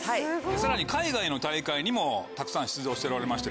さらに海外の大会にもたくさん出場しておられまして。